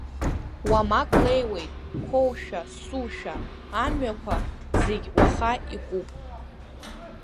Уамак леиуеит, қәоушәа сушәа, амҩақәа зегь уаха икуп.